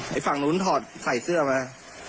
ฝั่งนู้นถอดใส่เสื้อมา